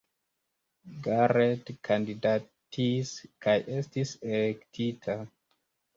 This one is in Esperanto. Garrett kandidatis kaj estis elektita.